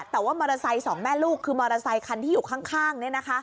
แต่ว่ามอเตอร์ไซค์สองแม่ลูกคือมอเตอร์ไซคันที่อยู่ข้าง